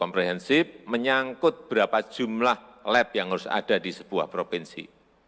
komprehensif menyangkut berapa jumlah lab yang harus ada di sebuah provinsi